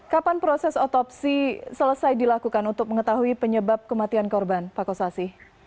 kapan proses otopsi selesai dilakukan untuk mengetahui penyebab kematian korban pak kossasi